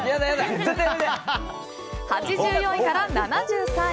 ８４位から７３位。